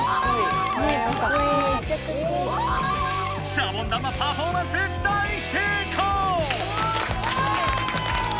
シャボン玉パフォーマンス大成功！